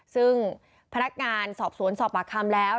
ซึ่งพนักงานสอบสวนสอบปากคำแล้ว